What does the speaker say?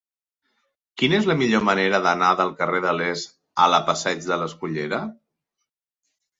Quina és la millor manera d'anar del carrer de l'Est a la passeig de l'Escullera?